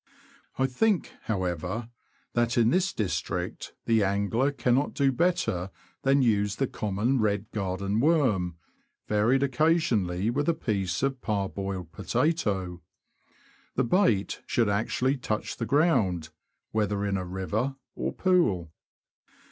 I think, however, that in this district the angler cannot do better than use the common red garden worm, varied occasionally with a piece of parboiled potato. The bait should actually touch the ground, whether in a river or pool.